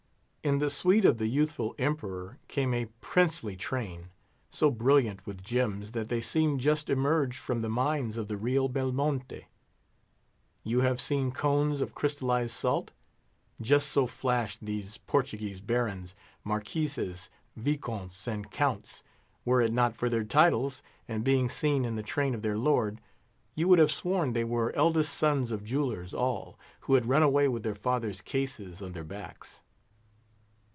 In the suite of the youthful Emperor came a princely train; so brilliant with gems, that they seemed just emerged from the mines of the Rio Belmonte. You have seen cones of crystallised salt? Just so flashed these Portuguese Barons, Marquises, Viscounts, and Counts. Were it not for their titles, and being seen in the train of their lord, you would have sworn they were eldest sons of jewelers all, who had run away with their fathers' cases on their backs.